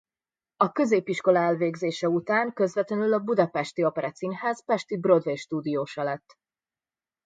A középiskola elvégzése után közvetlenül a Budapesti Operettszínház Pesti Broadway Stúdiósa lett.